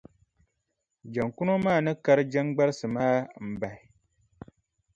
Jaŋkuno maa ni kari jaŋgbarisi maa m-bahi.